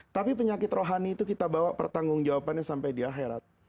tapi penyakit rohani itu kita bawa pertanggung jawabannya sampai di akhirat